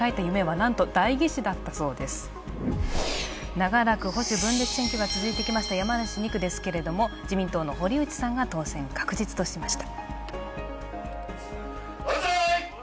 長らく保守分裂が続いてきました山梨２区ですが、自民党の堀内さんが当選確実としました。